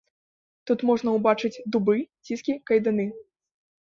Тут можна ўбачыць дыбы, ціскі, кайданы.